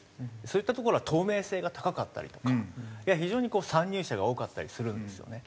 そういった所は透明性が高かったりとか非常に参入者が多かったりするんですよね。